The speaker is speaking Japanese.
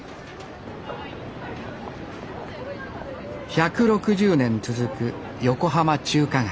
１６０年続く横浜中華街。